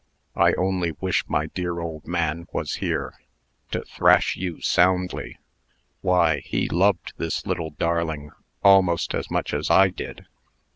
"I only wish my dear old man was here, to thrash you soundly. Why, he loved this little darling almost as much as I did.